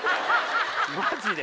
マジで？